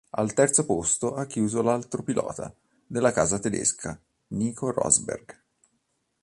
Al terzo posto ha chiuso l'altro pilota della casa tedesca Nico Rosberg.